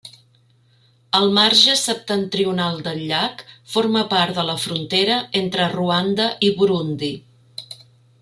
El marge septentrional del llac forma part de la frontera entre Ruanda i Burundi.